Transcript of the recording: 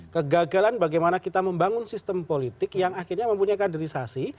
kegagalan bagaimana kita membangun sistem politik yang akhirnya mempunyai kaderisasi